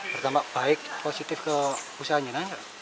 bertambah baik positif ke usahanya kan